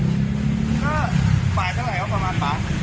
ก็เบื่อบ้านเท่าไหร่เนี่ย